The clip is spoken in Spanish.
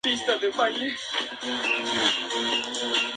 La tasa era de ciento treinta asesinatos por cada cien mil habitantes.